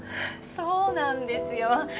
そうなんですよ。